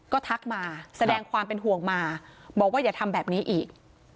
ก็ทักมาแสดงความเป็นห่วงมาบอกว่าอย่าทำแบบนี้อีก